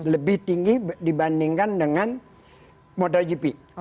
lebih tinggi dibandingkan dengan motogp